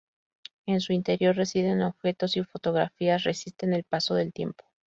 En su interior residen objetos y fotografías resisten el paso del tiempo.